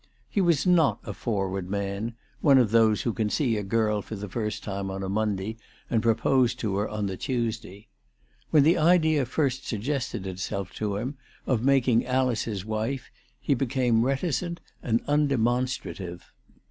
He was not a forward man, one of those who can see a girl for the first time on a Monday, and propose to her on the Tuesday. "When the idea first suggested itself to him of making Alice his wife he became reticent and undemonstrative.